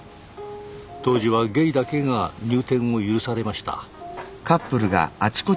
当時はゲイだけが入店を許されました。